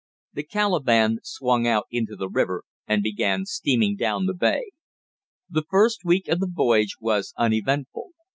The Calaban swung out into the river and began steaming down the bay. The first week of the voyage was uneventful.